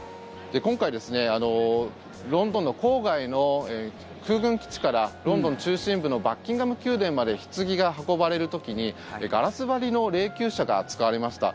今回、ロンドンの郊外の空軍基地からロンドン中心部のバッキンガム宮殿までひつぎが運ばれる時にガラス張りの霊きゅう車が使われました。